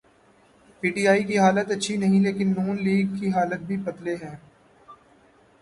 P T I کی حالت اچھی نہیں لیکن نون لیگ کے حالات بھی پتلے ہیں۔